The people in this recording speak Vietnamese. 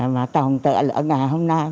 mà tổng tựa lỡ nhà hôm nay